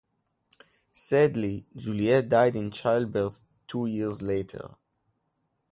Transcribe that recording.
Sadly, Juliette died in childbirth two years later.